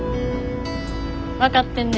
分かってんね